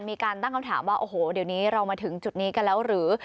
มีการตั้งคำถามว่าโอ้โหเดี๋ยวนี้เรามาถึงจุดนี้กันแล้วหรือ